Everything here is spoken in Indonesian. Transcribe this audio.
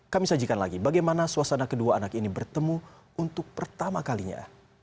kami sajikan lagi bagaimana suasana kedua anak ini bertemu untuk pertama kalinya